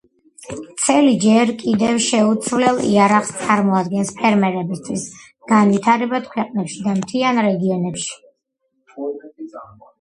ცელი ჯერ კიდევ შეუცვლელ იარაღს წარმოადგენს ფერმერებისათვის განვითარებად ქვეყნებში და მთიან რეგიონებში.